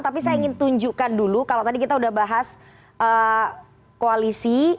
tapi saya ingin tunjukkan dulu kalau tadi kita sudah bahas koalisi